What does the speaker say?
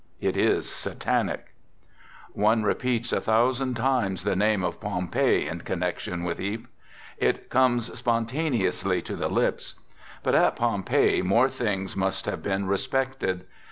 It is satanic r One repeats a thousand times the name of Pompeii in connection with Ypres. It comes spontaneously to the lips. But at Pompeii more things must have been respected.